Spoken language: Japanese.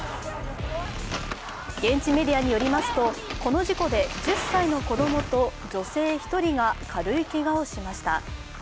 現地メディアによりますと、この事故で１０歳の子供と女性１人が軽いけがをしました。